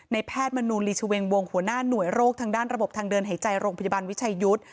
แพทย์มนูลีชเวงวงหัวหน้าหน่วยโรคทางด้านระบบทางเดินหายใจโรงพยาบาลวิชัยยุทธ์